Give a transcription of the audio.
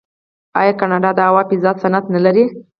آیا کاناډا د هوا فضا صنعت نلري؟